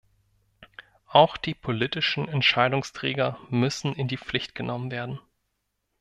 Auch die politischen Entscheidungsträger müssen in die Pflicht genommen werden.